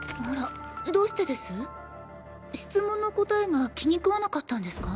質問の答えが気に食わなかったんですか？